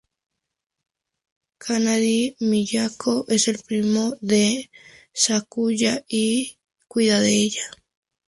Kanade Miyako: Es el primo de Sakuya y cuida de ella.